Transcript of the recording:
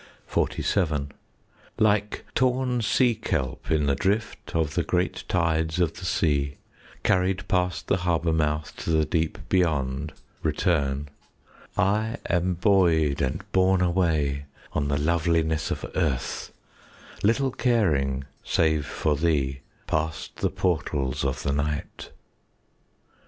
10 XLVII Like torn sea kelp in the drift Of the great tides of the sea, Carried past the harbour mouth To the deep beyond return, I am buoyed and borne away 5 On the loveliness of earth, Little caring, save for thee, Past the portals of the night.